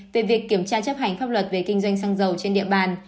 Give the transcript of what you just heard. về việc kiểm tra chấp hành pháp luật về kinh doanh xăng dầu trên địa bàn